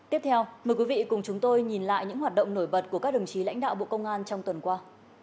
tiếp theo mời quý vị cùng chúng tôi nhìn lại những hoạt động nổi bật của các đồng chí lãnh đạo bộ công an trong tuần qua